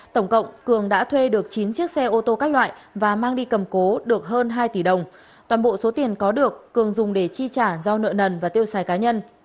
tổng cộng cường đã thuê được chín chiếc xe ô tô các loại và mang đi cầm cố được hơn hai tỷ đồng toàn bộ số tiền có được cường dùng để chi trả do nợ nần và tiêu xài cá nhân